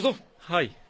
はい。